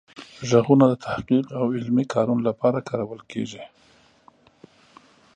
غږونه د تحقیق او علمي کارونو لپاره کارول کیږي.